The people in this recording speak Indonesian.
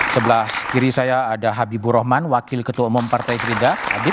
sebelah kiri saya ada habibur rahman wakil ketua umum partai gerindra